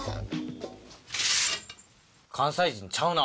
関西人ちゃうな。